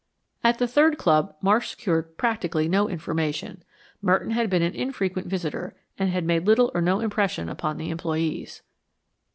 At the third club Marsh secured practically no information. Merton had been an infrequent visitor and had made little or no impression upon the employees.